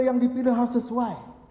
yang dipilih harus sesuai